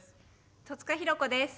戸塚寛子です。